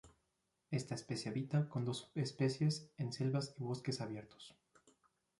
Esta especie habita, con dos subespecies, en selvas y bosques abiertos.